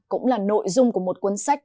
cũng là nội dung của một cuốn sách